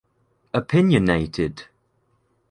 Opinionated.